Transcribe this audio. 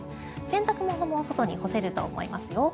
洗濯物も外に干せると思いますよ。